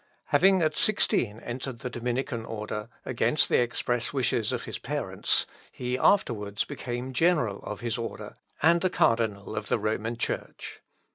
Having at sixteen entered the Dominican order, against the express wish of his parents, he afterwards became general of his order, and a cardinal of the Roman Church.